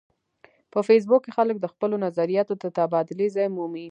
په فېسبوک کې خلک د خپلو نظریاتو د تبادلې ځای مومي